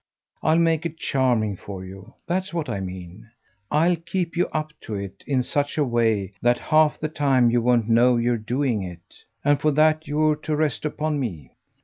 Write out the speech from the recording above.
I'll make it charming for you that's what I mean; I'll keep you up to it in such a way that half the time you won't know you're doing it. And for that you're to rest upon me.